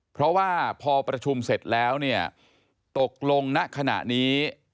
เพราะว่าพอประชุมเสร็จแล้วเนี่ยตกลงณขณะนี้